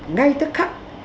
ngay tức khắc